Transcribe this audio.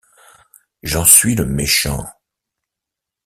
J’en suis le méchant.